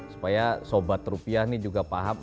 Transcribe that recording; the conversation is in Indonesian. supaya sobat rupiah ini juga paham